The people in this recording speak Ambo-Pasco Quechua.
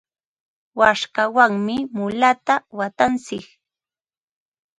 waskawanmi mulata watantsik.